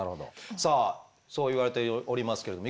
さあそう言われておりますけれどもえ！？